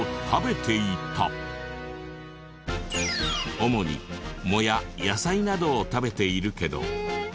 主に藻や野菜などを食べているけど。